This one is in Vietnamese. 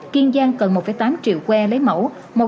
kiên giang cần một tám triệu que lấy mẫu